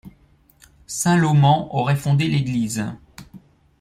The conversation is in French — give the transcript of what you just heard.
Saint Loman aurait fondé l'église.